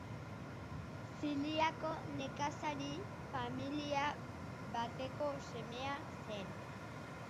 Siziliako nekazari familia bateko semea zen.